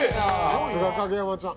さすが影山ちゃん。